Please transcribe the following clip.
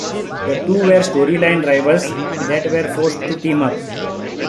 The two were storyline rivals that were forced to team up.